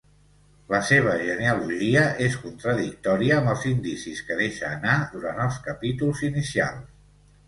La seva genealogia és contradictòria amb els indicis que deixa anar durant els capítols inicials.